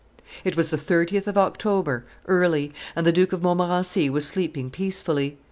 It was the 30th of October, early: and the Duke of Montmorency was sleeping peacefully.